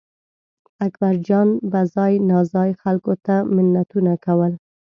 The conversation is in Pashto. اکبرجان به ځای ناځای خلکو ته منتونه کول.